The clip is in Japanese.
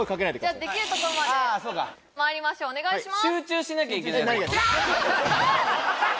できるところまでまいりましょうお願いします